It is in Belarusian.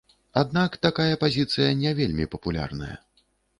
Аднак такая пазіцыя не вельмі папулярная.